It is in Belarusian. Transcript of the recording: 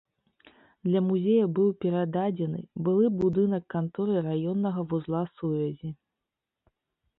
Для музея быў перададзены былы будынак канторы раённага вузла сувязі.